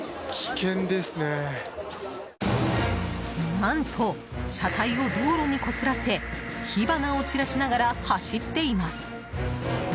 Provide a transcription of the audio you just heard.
何と、車体を道路にこすらせ火花を散らしながら走っています。